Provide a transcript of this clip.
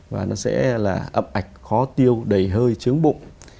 và nó sẽ là ấm ạch khó tiêu đầy hơi chướng bụng